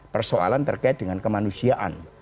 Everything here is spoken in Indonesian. persoalan terkait dengan kemanusiaan